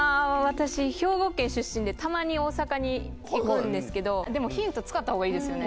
私兵庫県出身でたまに大阪に行くんですけどでもヒント使った方がいいですよね？